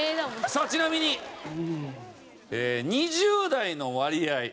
さあちなみに２０代の割合